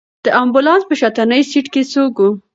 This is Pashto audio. د امبولانس په شاتني سېټ کې څوک و؟